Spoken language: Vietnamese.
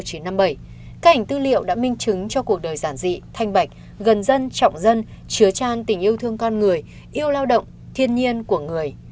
các ảnh tư liệu đã minh chứng cho cuộc đời giản dị thanh bạch gần dân trọng dân chứa tràn tình yêu thương con người yêu lao động thiên nhiên của người